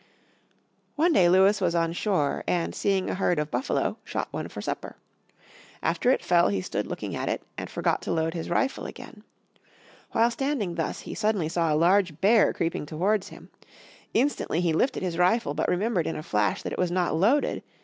One day Lewis was on shore, and seeing a herd of buffalo shot one for supper. After it fell he stood looking at it, and forgot to load his rifle again. While standing thus he suddenly saw a large bear creeping towards him. Instantly he lifted his rifle, but remembered in a flash that it was not loaded.